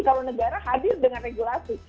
kalau negara hadir dengan regulasi